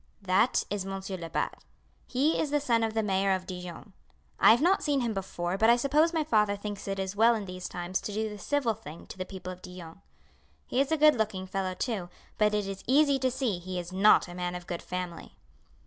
"That is Monsieur Lebat; he is the son of the Mayor of Dijon. I have not see him here before, but I suppose my father thinks it is well in these times to do the civil thing to the people of Dijon. He is a good looking fellow too, but it is easy to see he is not a man of good family."